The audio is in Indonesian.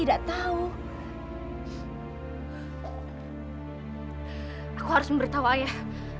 aku harus memberitahu ayah